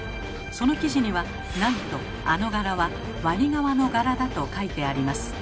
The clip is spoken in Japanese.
その記事にはなんとあの柄は「ワニ革の柄」だと書いてあります。